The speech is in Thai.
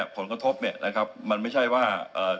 ผลกระทบมันไม่ใช่ว่า